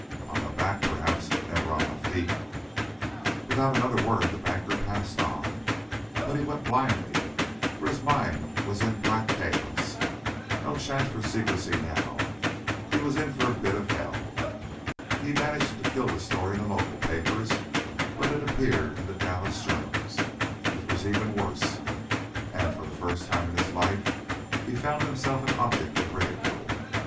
"On my back, perhaps, but never on my feet." Without another word the banker passed on, but he went blindly, for his mind was in black chaos. No chance now for secrecy; he was in for a bit of hell. He managed to kill the story in the local papers, but it appeared in the Dallas journals, which was even worse, and for the first time in his life he found himself an object of ridicule.